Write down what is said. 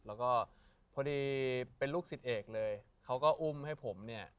แล้วก็พอดีเป็นลูกศิษย์เอกเลยเขาก็อุ้มให้ผมเนี่ย